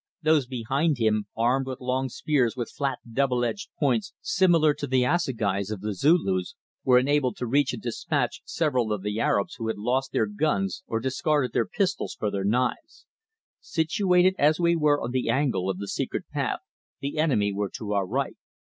Those behind him, armed with long spears with flat double edged points similar to the assegais of the Zulus, were enabled to reach and dispatch several of the Arabs who had lost their guns or discarded their pistols for their knives. Situated as we were on the angle of the secret path the enemy were to our right.